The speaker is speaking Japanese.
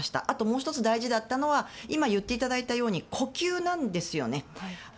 あともう１つ大事だったのは今言っていただいたように呼吸なんですよね。